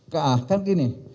nah kan gini